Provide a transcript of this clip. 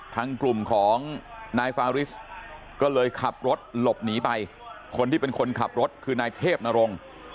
ทางกลุ่มของนายฟาริสก็เลยขับรถหลบหนีไปคนที่เป็นคนขับรถคือนายเทพนรงค์